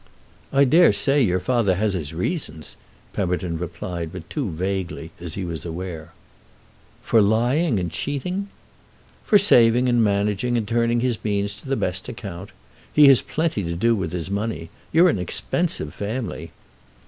"I dare say your father has his reasons," Pemberton replied, but too vaguely, as he was aware. "For lying and cheating?" "For saving and managing and turning his means to the best account. He has plenty to do with his money. You're an expensive family."